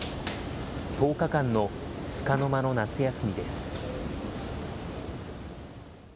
１０日間のつかの間の夏休みです。